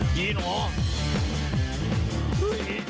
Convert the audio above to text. โถ่ภายควัฒนร้าม